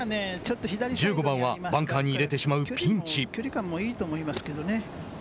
１５番はバンカーに入れてしまうピンチ。